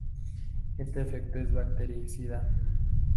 Este efecto es bactericida.